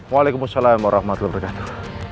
waalaikumsalam warahmatullahi wabarakatuh